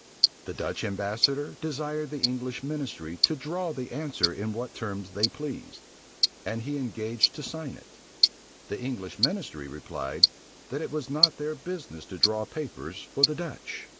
The Dutch ambassador desired the English ministry to draw the answer in what terms they pleased; and he engaged to sign it: the English ministry replied, that it was not their business to draw papers for the Dutch.